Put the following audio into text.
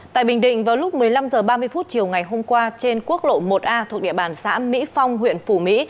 tại bình định vào lúc một mươi năm h ba mươi chiều ngày hôm qua trên quốc lộ một a thuộc địa bàn xã mỹ phong huyện phủ mỹ